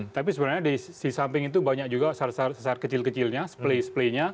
tapi sebenarnya di samping itu banyak juga sesar sesar kecil kecilnya seple seple nya